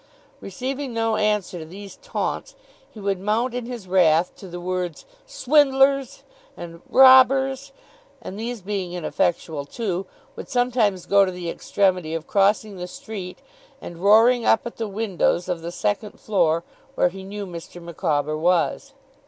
Receiving no answer to these taunts, he would mount in his wrath to the words 'swindlers' and 'robbers'; and these being ineffectual too, would sometimes go to the extremity of crossing the street, and roaring up at the windows of the second floor, where he knew Mr. Micawber was.